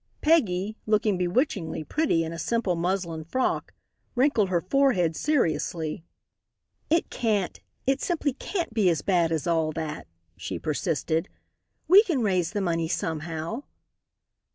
Peggy, looking bewitchingly pretty in a simple muslin frock, wrinkled her forehead seriously. "It can't it simply can't be as bad as all that," she persisted. "We can raise the money somehow."